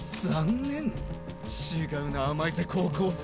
違うな甘いぜ高校生。